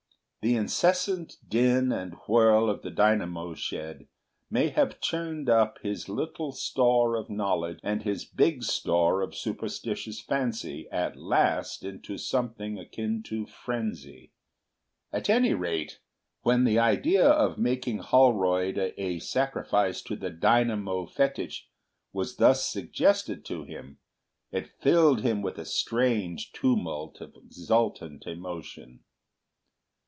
The incessant din and whirl of the dynamo shed may have churned up his little store of knowledge and his big store of superstitious fancy, at last, into something akin to frenzy. At any rate, when the idea of making Holroyd a sacrifice to the Dynamo Fetich was thus suggested to him, it filled him with a strange tumult of exultant emotion.